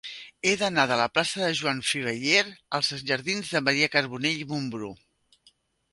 He d'anar de la plaça de Joan Fiveller als jardins de Maria Carbonell i Mumbrú.